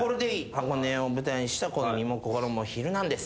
「箱根を舞台にした身も心もヒルナンデス」